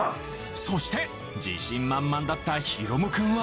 そして自信満々だった大夢くんは？